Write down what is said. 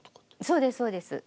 そうですそうです。